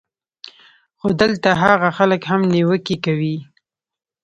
خو دلته هاغه خلک هم نېوکې کوي